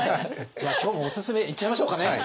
じゃあ今日もオススメいっちゃいましょうかね。